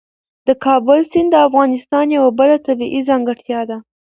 د کابل سیند د افغانستان یوه بله طبیعي ځانګړتیا ده.